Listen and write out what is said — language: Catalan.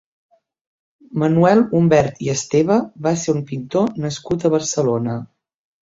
Manuel Humbert i Esteve va ser un pintor nascut a Barcelona.